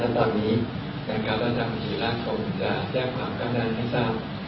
และตอนนี้การการตัวจังหิตและทรงจะแยกความก้าวด้านให้ทราบ